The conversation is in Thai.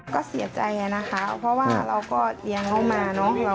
ก็เสียใจอะนะคะเพราะว่าเราก็เลี้ยงเขามาเนอะ